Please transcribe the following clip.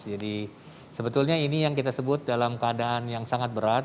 jadi sebetulnya ini yang kita sebut dalam keadaan yang sangat berat